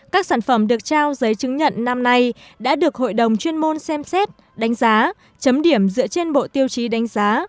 các sản phẩm được trao giấy chứng nhận năm nay đã được hội đồng chuyên môn xem xét đánh giá chấm điểm dựa trên bộ tiêu chí đánh giá